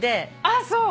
あっそう？